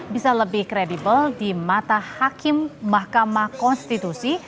bisa lebih kredibel di mata hakim mahkamah konstitusi